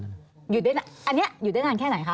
อันนี้อยู่ได้นานแค่ไหนคะ